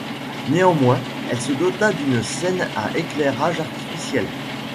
Néanmoins, elle se dota d’une scène à éclairage artificiel.